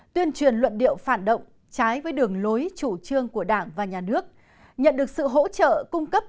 tựa điệu phản động trái với đường lối chủ trương của đảng và nhà nước nhận được sự hỗ trợ cung cấp